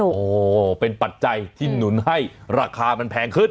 โอ้โหเป็นปัจจัยที่หนุนให้ราคามันแพงขึ้น